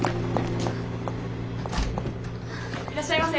いらっしゃいませ。